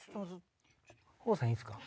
方正さんいいっすか？